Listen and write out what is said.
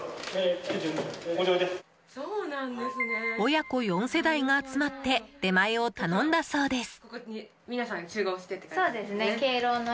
親子４世代が集まって出前を頼んだそうです。